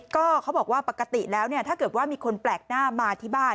ก็เขาบอกว่าปกติแล้วถ้าเกิดว่ามีคนแปลกหน้ามาที่บ้าน